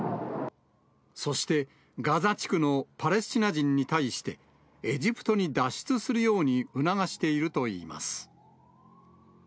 そして、ガザ地区のパレスチナ人に対して、エジプトに脱出するように促しているといいます。